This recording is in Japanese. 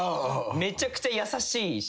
めちゃくちゃ優しいし。